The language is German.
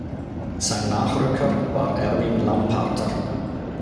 Sein Nachrücker war Erwin Lamparter.